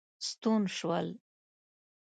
ستون شول.